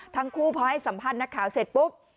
ทั้งคู่พอให้สัมภาษณ์นักข่าวเสร็จปุ๊บ